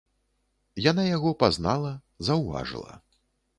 Яна яго пазнала, заўважыла.